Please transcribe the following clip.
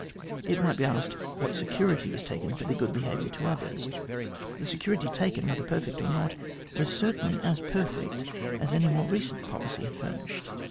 It might be asked what security was taken for their good behaviour to others ? The security taken, whether perfect or not, was certainly as perfect as any more recent policy had furnished.